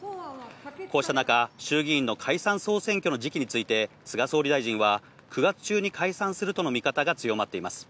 こうしたなか衆議院の解散総選挙の時期について菅総理大臣は９月中に解散するとの見方が強まっています。